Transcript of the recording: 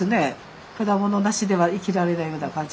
果物なしでは生きられないぐらいの感じ。